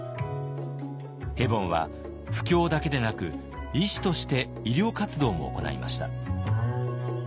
ヘボンは布教だけでなく医師として医療活動も行いました。